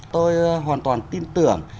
tôi hoàn toàn tin tưởng